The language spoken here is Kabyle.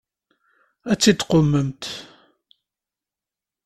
Ad tt-id-tuqmemt?